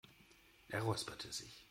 Er räusperte sich.